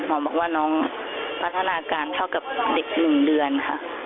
หมอบอกว่าน้องพัฒนาการเท่ากับเด็ก๑เดือนค่ะ